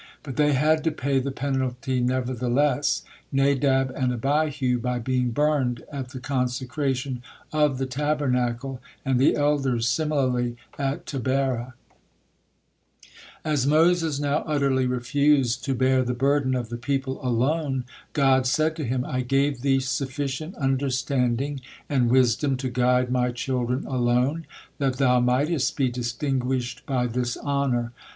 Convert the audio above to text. But they had to pay the penalty nevertheless: Nadab and Abihu, by being burned at the consecration of the Tabernacle, and the elders similarly, at Taberah. As Moses now utterly refused to bear the burden of the people alone, God said to him: "I gave thee sufficient understanding and wisdom to guide My children alone, that thou mightest be distinguished by this honor.